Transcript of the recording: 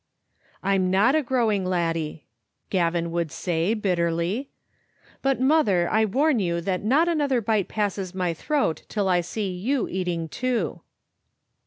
"I'm not a growing laddie," Gavin would say, bit terly ;" but, mother, I warn you that not another bite passes my throat till I see you eating too."